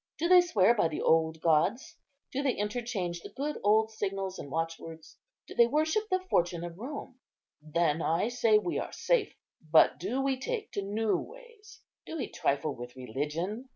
do they swear by the old gods? do they interchange the good old signals and watchwords? do they worship the fortune of Rome; then I say we are safe. But do we take to new ways? do we trifle with religion?